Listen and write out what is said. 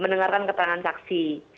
mendengarkan keterangan saksi